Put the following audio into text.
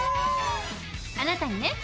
あなたにね